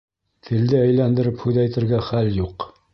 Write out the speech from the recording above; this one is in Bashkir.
Телде әйләндереп һүҙ әйтергә хәл юҡ.